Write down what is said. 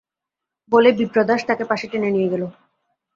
বলে বিপ্রদাস তাকে পাশে টেনে নিয়ে এল।